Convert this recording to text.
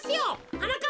はなかっ